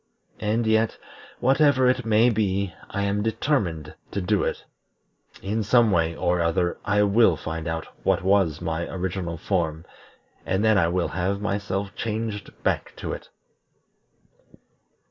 And yet, whatever it may be, I am determined to do it. In some way or other I will find out what was my original form, and then I will have myself changed back to it."